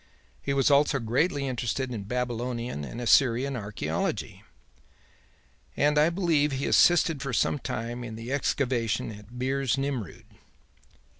He was also greatly interested in Babylonian and Assyrian archaeology, and I believe he assisted for some time in the excavations at Birs Nimroud."